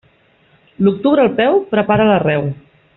L'octubre al peu, prepara l'arreu.